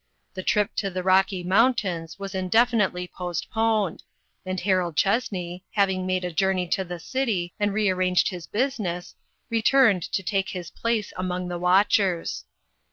The trip to the Rocky Mountains was indefi nitely postponed, and Harold Chessney, hav ing made a journey to the city, and rear AN ESCAPED VICTIM. 397 ranged his business, returned to take his place among the watchers.